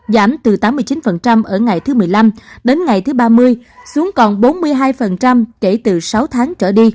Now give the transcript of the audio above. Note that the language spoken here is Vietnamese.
giảm từ tám mươi chín ở ngày thứ một mươi năm đến ngày thứ ba mươi xuống còn bốn mươi hai